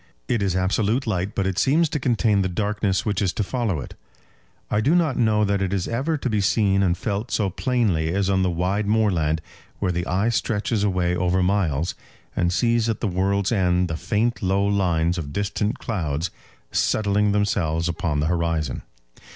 It is absolute light, but it seems to contain the darkness which is to follow it. I do not know that it is ever to be seen and felt so plainly as on the wide moorland, where the eye stretches away over miles, and sees at the world's end the faint low lines of distant clouds settling themselves upon the horizon.